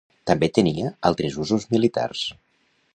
També tenia altres usos militars.